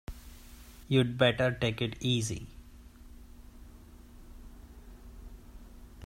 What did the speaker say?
You'd better take it easy.